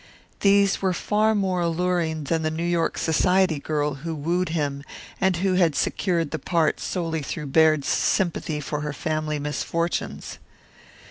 These were far more alluring than the New York society girl who wooed him and who had secured the part solely through Baird's sympathy for her family misfortunes.